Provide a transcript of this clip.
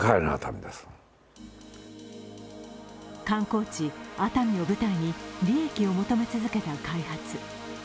観光地・熱海を舞台に利益を求め続けた開発。